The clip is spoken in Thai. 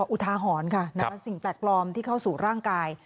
อุทาหรณ์ค่ะสิ่งแปลกปลอมที่เข้าสู่ร่างกาย